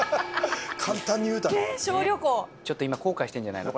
ちょっと今後悔してんじゃないの？